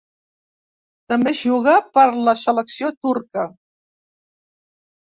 També juga per la selecció turca.